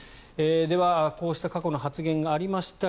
では、こうした過去の発言がありました。